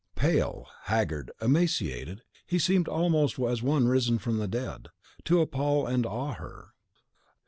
Pale, haggard, emaciated, he seemed almost as one risen from the dead, to appall and awe her.